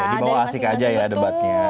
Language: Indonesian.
dibawah asik aja ya debatnya